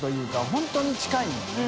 本当に近いのね。